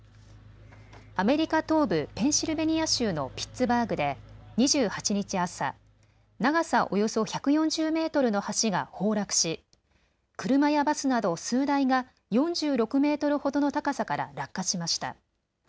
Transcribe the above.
アメリカ東部ペンシルベニア州のピッツバーグで２８日朝、長さおよそ１４０メートルの橋が崩落し、車やバスなど数台が４６メートルほどの高さから落下しました。